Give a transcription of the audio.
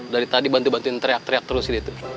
dari tadi bantu bantuin teriak teriak terus gitu